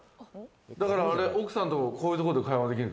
だからあれ、奥さんとこういうところで会話できる。